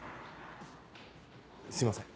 すいません。